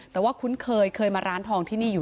แต่ว่าคุ้นเคยเคยมาร้านทองที่นี่อยู่